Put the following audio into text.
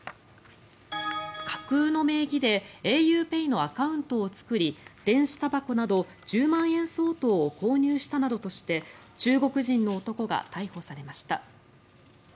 架空の名義でａｕＰＡＹのアカウントを作り電子たばこなど１０万円相当を購入したなどとして中国人の男が逮捕されました。